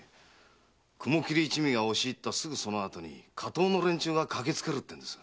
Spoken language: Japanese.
雲切一味が押し入ったすぐその後に火盗の連中が駆け付けるってんです。